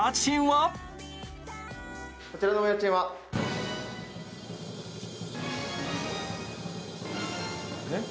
こちらのお家賃はえっ？